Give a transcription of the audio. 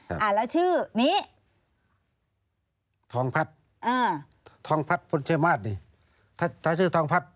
อ่าอ่าแล้วชื่อนี้ทองพัฒน์อ่าทองพัฒน์นี่ถ้าถ้าชื่อทองพัฒน์